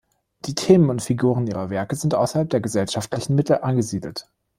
Die Themen und Figuren ihrer Werke sind außerhalb der gesellschaftlichen Mitte angesiedelt.